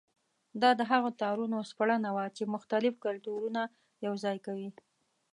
دا د هغو تارونو سپړنه وه چې مختلف کلتورونه یوځای کوي.